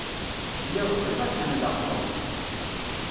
Lliɣ bɣiɣ ad ḥemmleɣ Tom.